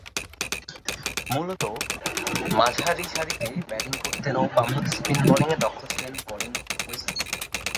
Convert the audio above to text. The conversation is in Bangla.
মূলতঃ মাঝারিসারিতে ব্যাটিং করতেন ও বামহাতে স্পিন বোলিংয়ে দক্ষ ছিলেন কলিন ওয়েসলি।